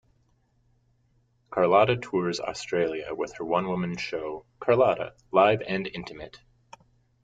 Carlotta tours Australia with her one-woman show "Carlotta: Live and Intimate".